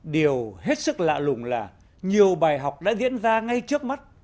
điều hết sức lạ lùng là nhiều bài học đã diễn ra ngay trước mắt